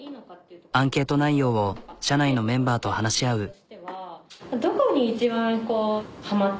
アンケート内容を社内のメンバーと話し合う。